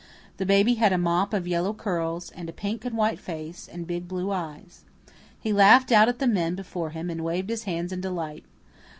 The baby had a mop of yellow curls, and a pink and white face, and big blue eyes. He laughed out at the men before him and waved his hands in delight.